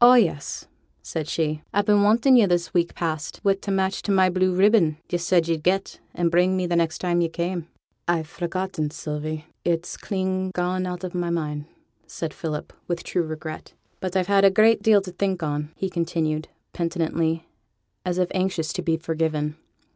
'Oh, yes,' said she. 'I've been wanting yo' this week past wi' t' match to my blue ribbon yo' said yo'd get and bring me next time yo' came.' 'I've forgotten it, Sylvie. It's clean gone out of my mind,' said Philip, with true regret. 'But I've had a deal to think on,' he continued, penitently, as if anxious to be forgiven.